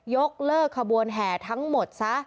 ยกเลิกขบวนแห่ทั้งหมดซะ